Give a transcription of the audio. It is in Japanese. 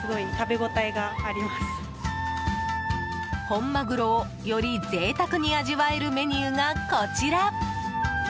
本マグロを、より贅沢に味わえるメニューがこちら。